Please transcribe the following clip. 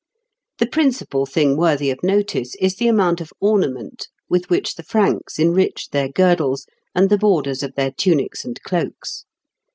The principal thing worthy of notice is the amount of ornament with which the Franks enriched their girdles and the borders of their tunics and cloaks.